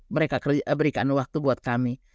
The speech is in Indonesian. mereka berikan waktu buat kami